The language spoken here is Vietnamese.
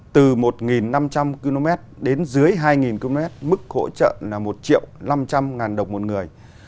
từ một năm trăm linh km đến dưới hai km mức hỗ trợ là một triệu năm trăm linh ngàn đồng một người